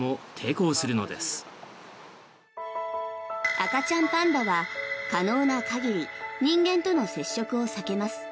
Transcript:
赤ちゃんパンダは可能な限り人間との接触を避けます。